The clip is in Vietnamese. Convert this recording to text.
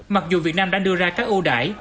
mặc dù việt nam đang đưa ra các ưu đải